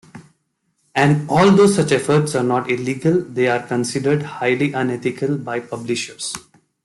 And although such efforts are not illegal, they are considered highly unethical by publishers.